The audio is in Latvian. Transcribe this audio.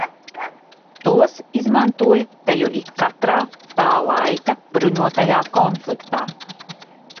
Tos izmantoja teju ikkatrā tā laika bruņotajā konfliktā.